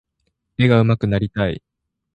絵が上手くなりたい。